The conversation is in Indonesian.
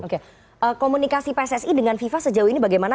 oke komunikasi pssi dengan fifa sejauh ini bagaimana